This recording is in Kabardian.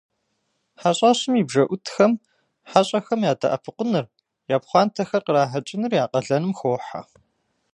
Хьэщӏэщым и бжэӏутхэм хьэщӏэхэм ядэӏэпыкъуныр, я пхъуантэхэр кърахьэкӏыныр я къалэным хохьэ.